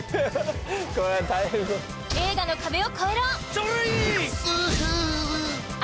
映画の壁を越えろ！